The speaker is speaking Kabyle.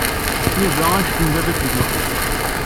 Yuba anect n baba-s deg lqedd.